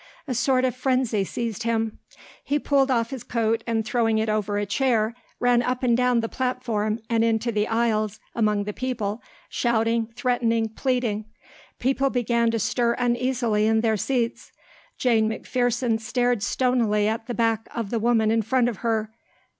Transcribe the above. A sort of frenzy seized him. He pulled off his coat and throwing it over a chair ran up and down the platform and into the aisles among the people, shouting, threatening, pleading. People began to stir uneasily in their seats. Jane McPherson stared stonily at the back of the woman in front of her.